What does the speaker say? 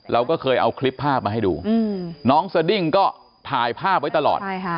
เราก็เคยเอาคลิปภาพมาให้ดูน้องสดิ้งก็ถ่ายภาพไว้ตลอด